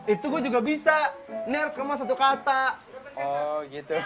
itu juga bisa nirsa satu kata oh gitu